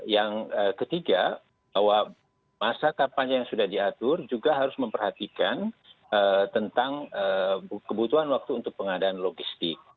yang ketiga bahwa masa kampanye yang sudah diatur juga harus memperhatikan tentang kebutuhan waktu untuk pengadaan logistik